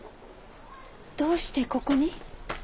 どうしてここに？